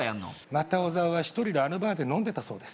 また小沢は１人であのバーで飲んでたそうです